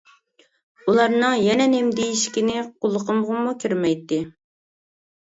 ئۇلارنىڭ يەنە نېمە دېيىشكىنى قۇلىقىمغىمۇ كىرمەيتتى.